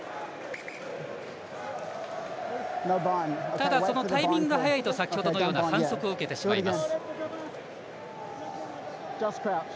ただ、タイミングが早いと先ほどのような反則を受けてしまいます。